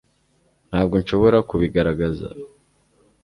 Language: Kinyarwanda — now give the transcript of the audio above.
ntabwo nshobora kubigaragaza